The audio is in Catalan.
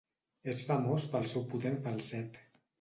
És famós pel seu potent falset.